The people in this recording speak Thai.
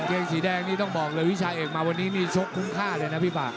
เกงสีแดงนี่ต้องบอกเลยวิชาเอกมาวันนี้นี่ชกคุ้มค่าเลยนะพี่ปาก